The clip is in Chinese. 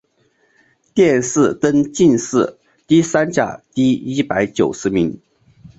殿试登进士第三甲第一百九十名。